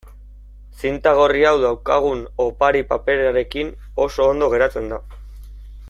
Zinta gorri hau daukagun opari-paperarekin oso ondo geratzen da.